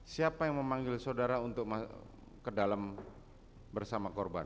siapa yang memanggil saudara untuk masuk ke dalam bersama korban